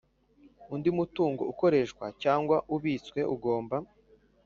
undi mutungo ukoreshwa cyangwa ubitswe ugomba